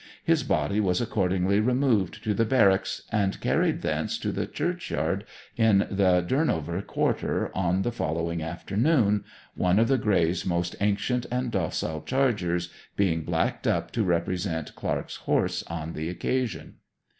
His body was accordingly removed to the barracks, and carried thence to the churchyard in the Durnover quarter on the following afternoon, one of the Greys' most ancient and docile chargers being blacked up to represent Clark's horse on the occasion.